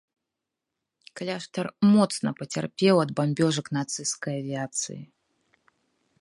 Кляштар моцна пацярпеў ад бамбёжак нацысцкай авіяцыі.